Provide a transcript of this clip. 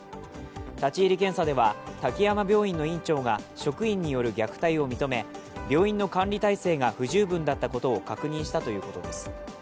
立入検査では滝山病院の院長が職員による虐待を認め病院の管理体制が不十分だったことを確認したということです。